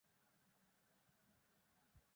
তখন তার অবিচলিত দৃঢ়চিত্ততায় অনেকে তাকে ভক্তি করেছে।